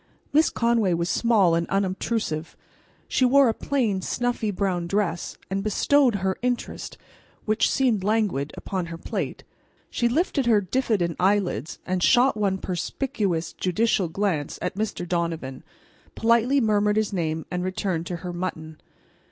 Miss Conway was small and unobtrusive. She wore a plain, snuffy brown dress, and bestowed her interest, which seemed languid, upon her plate. She lifted her diffident eyelids and shot one perspicuous, judicial glance at Mr. Donovan, politely murmured his name, and returned to her mutton.